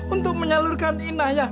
untuk menyalurkan inayah